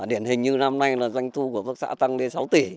điển hình như năm nay doanh thu của hợp tác xã tăng lên